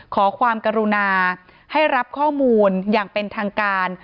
ขอความกรุณาให้รับข้อมูลอย่างเป็นทางการ